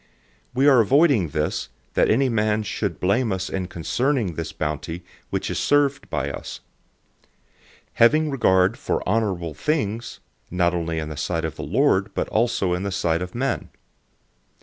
008:020 We are avoiding this, that any man should blame us concerning this abundance which is administered by us. 008:021 Having regard for honorable things, not only in the sight of the Lord, but also in the sight of men.